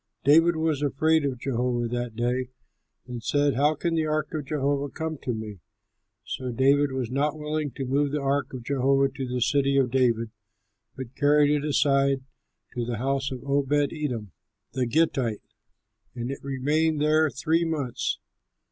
David was afraid of Jehovah that day, and said, "How can the ark of Jehovah come to me?" So David was not willing to remove the ark of Jehovah to the City of David, but carried it aside to the house of Obed edom, the Gittite, and it remained there three months.